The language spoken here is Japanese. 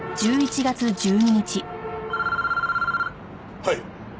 はい。